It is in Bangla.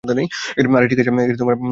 আরে ঠিক আছে।